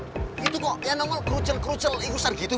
bang itu kok yang nomor kerucel kerucel itu sargina